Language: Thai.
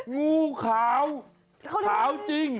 งูขาวขาวจริง